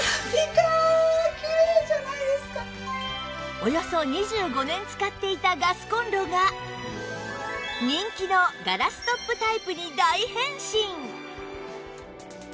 およそ２５年使っていたガスコンロが人気のガラストップタイプに大変身！